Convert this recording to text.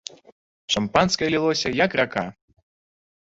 Шампанскае лілося як рака.